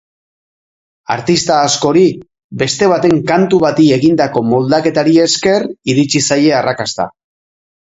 Artista askori beste baten kantu bati egindako moldaketari esker iritsi zaie arrakasta.